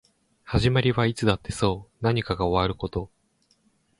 始まりはいつだってそう何かが終わること